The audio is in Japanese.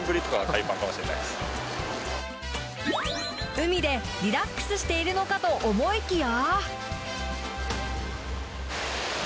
海でリラックスしているのかと思いきや。